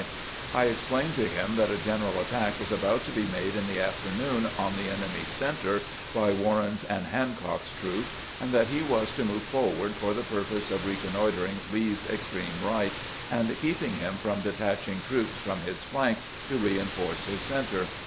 I explained to him that a general attack was to be made in the afternoon on the enemy's center by "Warren's and Hancock's troops, and that he was to move forward for the purpose of reconnoitering Lee's extreme right, and keeping him from detaching troops from his flanks to reinforce his center.